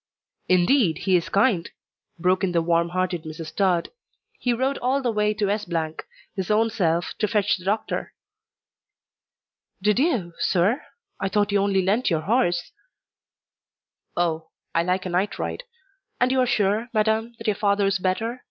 "Indeed he is kind," broke in the warm hearted Mrs. Tod. "He rode all the way to S , his own self, to fetch the doctor." "Did you, sir? I thought you only lent your horse." "Oh! I like a night ride. And you are sure, madam, that your father is better?